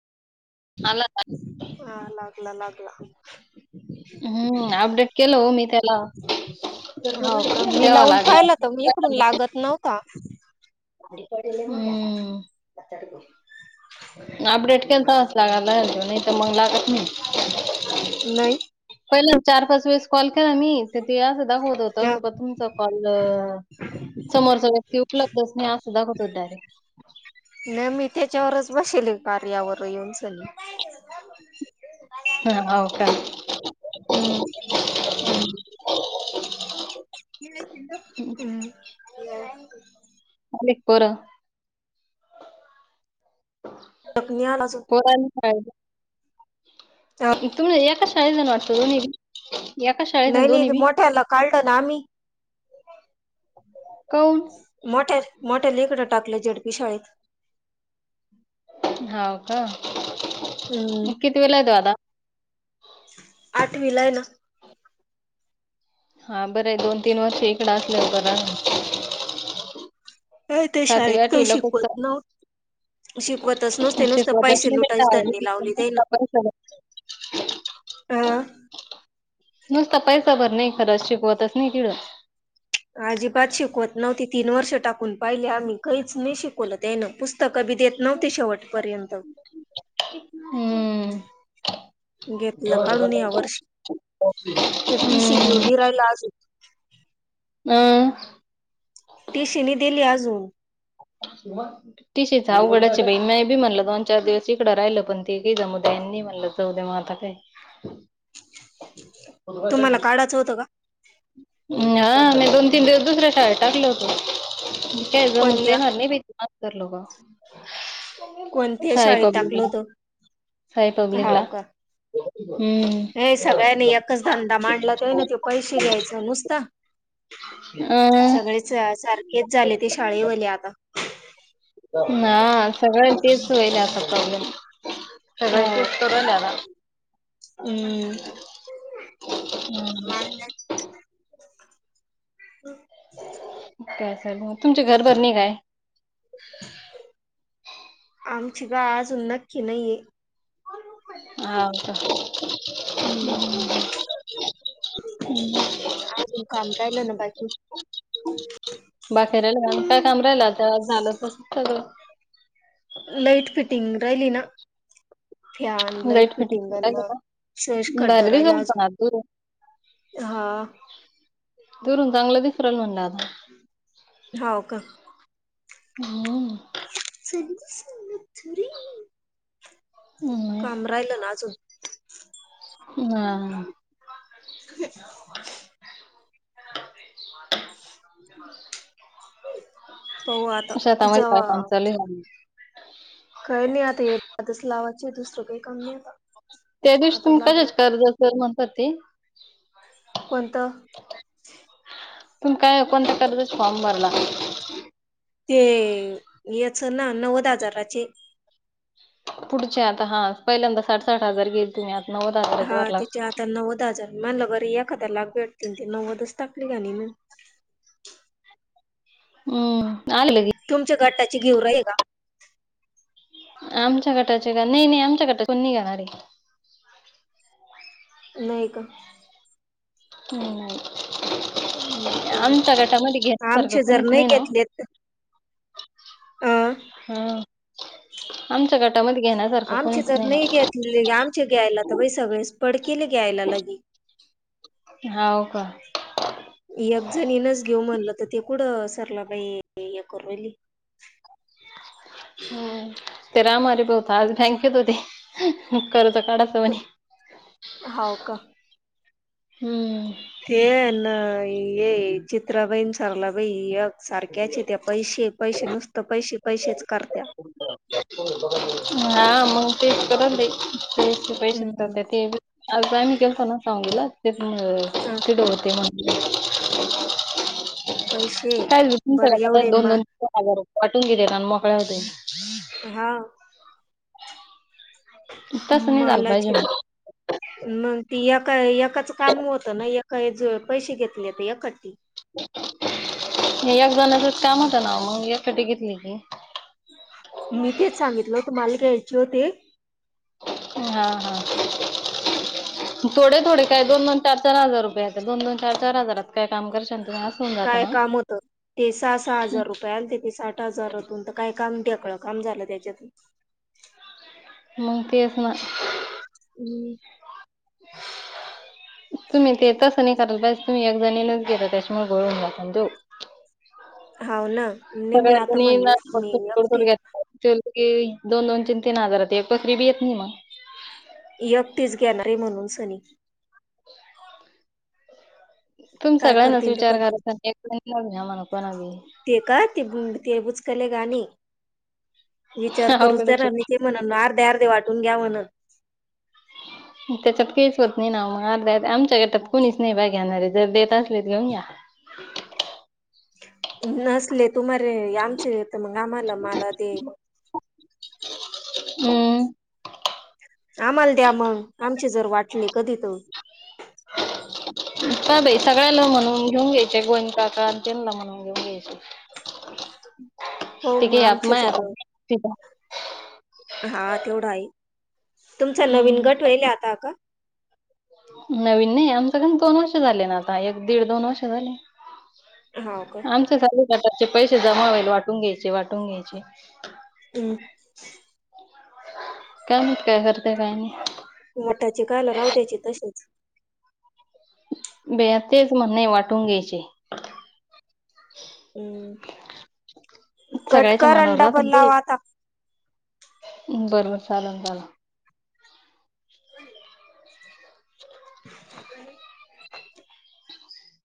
आला का? हा लागला लाग हम्म अपडेट केल ओ मी त्याला. ‌ हाव का? मी लावून पाहिला होता इकडून लागत नव्हता हम्म म अपडेट केलता? लागला नाही तर मग लागत नाही. नाही. पहिला चार पाच वेळेस कॉल केला मी तर ते असं दाखवत होत तोपर्यंत तुमचा कॉलअ समोरचा व्यती उपलब्धच नाही अस दाखवत डायरेक्ट. ना मी त्याच्यावरच बसले कार्या वरून येऊन शान हा हो का. हम्म हम्म. पोर ह. पोरांनी [inaudible] तुम्ही एका शाळेत जण वाटता दोनी नाही नाही मोठ्याला काढलं ना आम्ही [inaudible] काऊन? [inaudible] मोठ्या मोठ्या लकडं टाकलं झेडपी शाळेत [inaudible] हव का किती वेला येतो आता [inaudible] आठवीलाय ना [inaudible] हा बरं आहे दोन तीन वर्ष इकड असले बर अ ते शाळेत काही शिकवत नव्हत [inaudible] [inaudible] शिकवतच नुसते नुसते शिकवतच पैसे नाही लुटायचे त्यांनी तिकडं. लावले जाईना नुसता [inaudible] पैसा भर आह [inaudible] नुसता पैसा भर नाही खरंच शिकवतच नाही तिड [inaudible] अजिबात शिकवत नव्हती तीन वर्ष टाकून पाहिली आम्ही काहीच नाही शिकवल त्यान पुस्त क देत नव्हती शेवट पर्यंत हम्म. [inaudible] [inaudible] घेतलं काढून या वर्ष [inaudible] तेटीशी देऊनी रायला आज हो हम [inaudible] [inaudible] ती शिनी दिली अजून [inaudible] तिशीच अवघडाची बही म बी म्हणला दोन चार दिवस इकडं राहिलं पण ते जाऊदयानी म्हणललं तरद म माात काही [inaudible] [inaudible] तुम्हाला काढायचं होतं का हा मून [inaudible] तिंद दुसऱ्या शाळेत टाकलं होत का ज म्हणून कोणत्या देणार नाही [inaudible] म करलो कोणत्या का शाळेत पब टाकलं होतं [inaudible] [inaudible] सई पब्लिकला हाव हम्म. [inaudible] हे सगळ्यांनी एकच धंदा मांडला ते ना ते पैसे द्यायचं नुसतं [inaudible] अं. सगळेच सारखेच झाले ते शाळे वले आता [inaudible] ना सगळ्यां तेच वयरता प्रॉब्लेम [inaudible] फवट हो इतोरल्या ना हम्म [inaudible] हम्म ह [inaudible] लग तुमच्या घरभर नाही काय [inaudible] आमची गा अजून नक्की नाहीये [inaudible] हात [inaudible] हम्म [inaudible] आज काम राहिल ना बाकी [inaudible] बाकीे राहिला काय काम राहिला ते झालं तस सगळं लाईट फिटिंग राहिली ना [inaudible] फॅन लाईट फिटिंगना सेश कड्ड भारी रायला दिसल पण आज दुरून अजून [inaudible] हा [inaudible] दुरून चांगलं दिसराल म्हणलं आता [inaudible] हाव का [inaudible] हम् [inaudible] काम राहिल ना अजून हा [inaudible] [inaudible] [inaudible] अ आता म काय सांग चाल खय नाही आतास लावाची दुसरं काही कमी नाही आता [inaudible] त्या दिवशी आता तुम्ही कशाच लागणार कर्ज असेल म्हणता ते [inaudible] कोणतं [inaudible] तुम काय ओपन ते करतोच फॉर्म भरला ते याच ना नव्वद हजाराचे [inaudible] पुढचे आता हा पहिल्यांदा साठ साठ हजार गेल तुम्ही आता नव्वद [inaudible] हजारच हा भरला त्याच्या हातांनाव दात मला घरी एखाद्या लाग भेटतील ते नव्वदच टाकली का नाही म [inaudible] हम्म आले की तुमच्या गटाची घेऊ रा आहे का आमच्या गटाचे नाही नाही आमच्या गटाचे कोणीणी गाणारे नाही का ह् नाहीय हम्म, बरं आमच्या गटामध्ये घ्याण्यासारखं आमचे जर कोुणीच नाही ना घेतलेत अ हा आमच्या गटामध्ये घेण्यासारखं आमची कोणीच जर नाही घेतली ना केलं ग्यायला लगे हाव का एक जणीनच घेऊ म्हणलं तर ते कुढं सरला बाई कोरोवली हम्म ते रामर बहत आ थँक यू त ते कचो काढाच म्हणी हो का हम्म हे ना ये चित्राबाईन सरलाबाई सारख्याचे त्या पैसे पैसे नुसतं पैसे पैसेच करत्या हा मग तेच क ते पैसेत हम्म ते अ सायमिक केलस न संगला ति अं, तिड होतेे म पैसे काय बरं तुमच्याता एवढे दोन मा दोनार वाटून घेते काण मोकळ्या होत हा तसं नाही झालं मलाज पाहिजे मग मग ती एका एकाच काम होतं ना एका पैसे घेतले एकाी एक जणचच काम होत ना मग यासाठी घेतली की मी तेच सांगितलं तुम्हाला घ्यायचे होते हा हा थोडे थोडे काय दोन दोन चार चार हजार रुपये दोन दोन चार चार हजारात काय काम कर शक काय काम होतं ते सहा सहा हजार रुपये आले ते ते साठ हजारातून तर काय काम टकळ काम झालं त्याच्यातून मग तएसना ह तुम्ही तेेतच नाही कराल बस तुम्ही एक जणीलाच गेता त्याच्यामुळे गोळून जात देऊ हाव ना नाही मी आता म्हणले मी सगळ्यातडडोड एकटी घेत दोन दोन तीन तीन हजारात एक पसरी बी येत नाही मग यक् तेच घेणारे म्हणून सनी तुम् काय सगळ्यांनाच करतील तर विचार करू करात आणिवी म्हण पणवी् ते का ते ते बुचकले गणी विचार करूच अवघडच त्या आहे. ना मी ते म्हण अर्धे अर्धे वाटून घ्या म्हण [inaudible] त्याच्यात काहीच होत नाही ना मग अर्ध्या आमच्या गटात कोणीच नाही बा घेणारे जर देत असलेत घेऊन घ्या [inaudible] तुमरे आमचे येत मग आम्हाला मला ते हम्म आम्हाला द्या मग आमचे जर वाटले कधी तर [inaudible] का बाई सगळ्याला म्हणून घेऊन घ्यायचे गोंद काका अजनला म्हणून घेऊन घ्यायचे हो ते मग काही आप आमच माय जर आता ठीक आहे. हा तेवढा आहे तुमचा नवीन गट वल आता का नवीन नाही आमच काण दोन वर्ष झाले ना आता एक दीड दोन वर्ष झाले होा का त्याचे पैसे जमा होईल वाटून घ्यायचे वाटून घ्यायचे हमं काय नाहीत काय करतेय काही नाही मठाचे काल राव त्या्याचे तसेच बे तेच म्हणणे वाटून घ्यायचे सगळ्याच्या कटकर अंडा बनव आता ् बरोबर साधण लं [inaudible]